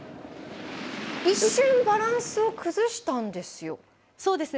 一瞬バランスを崩したんですよ。